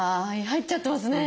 入っちゃってますね。